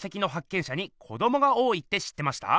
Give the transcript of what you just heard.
しゃに子どもが多いって知ってました？